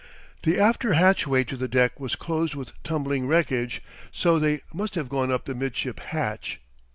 The after hatchway to the deck was closed with tumbling wreckage, so they must have gone up the midship hatch.